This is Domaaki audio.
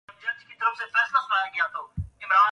کمک ہس